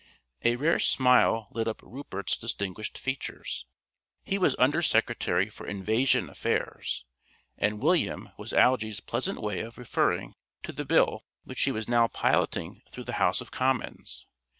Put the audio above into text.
A rare smile lit up Rupert's distinguished features. He was Under Secretary for Invasion Affairs, and "William" was Algy's pleasant way of referring to the Bill which he was now piloting through the House of Commons.